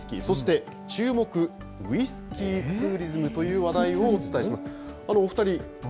そして、注目、ウイスキーツーリズムという話題をお伝えします。